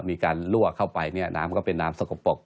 มีการลั่วเข้าไปเนี่ยน้ำก็เป็นน้ำสกปรก